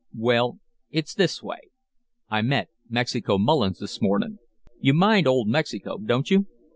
"Well, it's this way. I met Mexico Mullins this mornin'. You mind old Mexico, don't you?